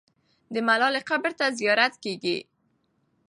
د ملالۍ قبر ته زیارت کېږي.